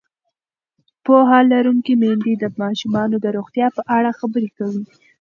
پوهه لرونکې میندې د ماشومانو د روغتیا په اړه خبرې کوي.